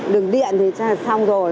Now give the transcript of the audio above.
đường điện thì chắc là xong rồi